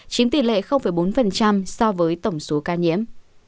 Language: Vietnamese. chiếm tỷ lệ bốn so với tổng số ca nhiễm